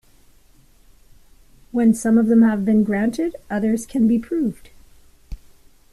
When some of them have been granted, others can be proved.